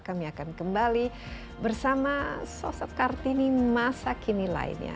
kami akan kembali bersama sosok kartini masa kini lainnya